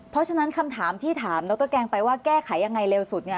เพราะฉะนั้นคำถามที่ถามดรแกงไปว่าแก้ไขยังไงเร็วสุด